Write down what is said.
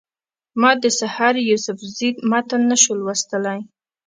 ما د سحر یوسفزي متن نه شو لوستلی.